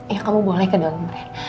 ya kamu boleh ke downre